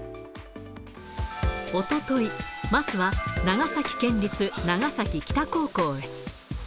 おととい、桝は長崎県立長崎北高校へ。